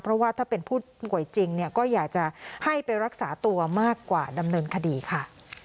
เพราะว่าถ้าเป็นผู้ป่วยจริงเนี่ยก็อยากจะให้ไปรักษาตัวมากกว่าดำเนินคดีค่ะ